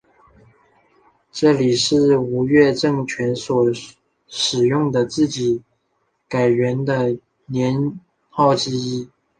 这也是吴越政权所使用的自己改元的年号之一。